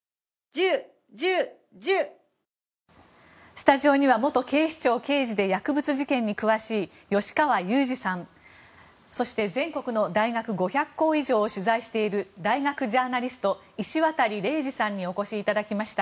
スタジオには元警視庁刑事で薬物事件に詳しい吉川祐二さんそして全国の大学５００校以上を取材している大学ジャーナリスト石渡嶺司さんにお越しいただきました。